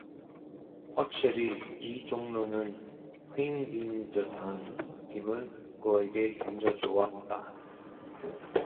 확실히 이 종로는 횡 빈 듯한 느낌을 그에게 던져 주었다.